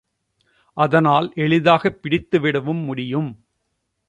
அதனால் எளிதாகப் பிடித்து விடவும் முடியும்.